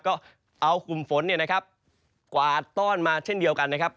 ก็เอาคุมฝนกวาดต้อนมาเช่นเดียวกันนะครับ